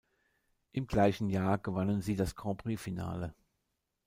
Im gleichen Jahr gewannen sie das Grand-Prix-Finale.